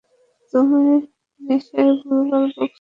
তুমি নেশায় ভুলভাল বকছ।